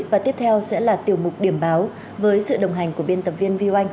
và tiếp theo sẽ là tiểu mục điểm báo với sự đồng hành của biên tập viên viu anh